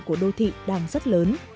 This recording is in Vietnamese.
của đô thị đang rất lớn